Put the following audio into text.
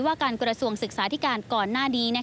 ว่าการกระทรวงศึกษาธิการก่อนหน้านี้